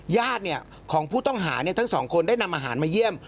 ญาติของผู้ต้องหาทั้งสองคนได้นำอาหารมาเยี่ยม